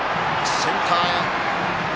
センターへ。